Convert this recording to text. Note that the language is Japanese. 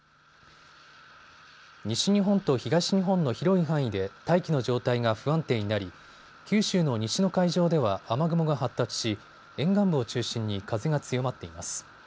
西日本と東日本の広い範囲で大気の状態が不安定になり九州の西の海上では雨雲が発達し、沿岸部を中心に風が強まっています。